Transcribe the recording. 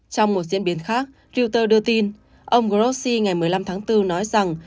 trong một diễn biến khác twilter đưa tin ông grossi ngày một mươi năm tháng bốn nói rằng